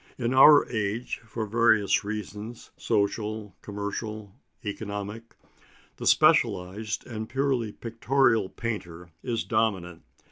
In our age, for various reasons (social, commercial, economic), the specialised and purely pictorial painter is dominant.